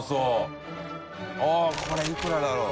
舛これいくらだろう？